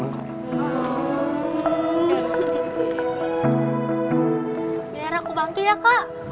biar aku bangkit ya kak